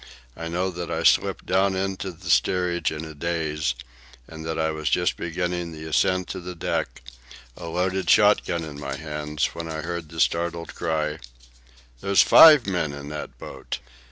I know that I slipped down into the steerage in a daze, and that I was just beginning the ascent to the deck, a loaded shot gun in my hands, when I heard the startled cry: "There's five men in that boat!"